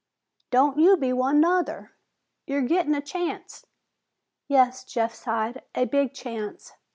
"Don't you be one, nuther. You're gettin' a chanst." "Yes," Jeff sighed, "a big chance."